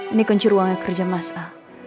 ini kunci ruangnya kerja mas a